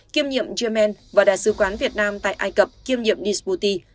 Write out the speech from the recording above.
kiêm nhiệm german và đại sứ quán việt nam tại ai cập kiêm nhiệm disputi